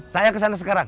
saya kesana sekarang